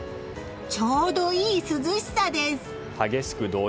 ちょうどいい涼しさです。